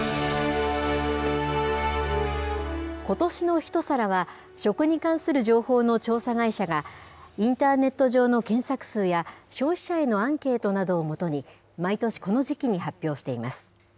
今年の一皿は、食に関する情報の調査会社が、インターネット上の検索数や、消費者へのアンケートなどをもとに、毎年この時期に発表しています。